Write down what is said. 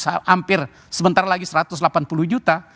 hampir sebentar lagi seratus lapan puluh juta